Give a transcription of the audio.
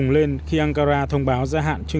hẹn gặp lại